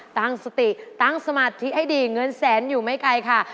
ตั้งสติตั้งสมาธิให้ดีเงินแสนอยู่ไม่ไกลค่ะ